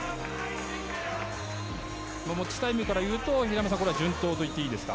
持ちタイムからいうと、平山さん順当と言っていいですか？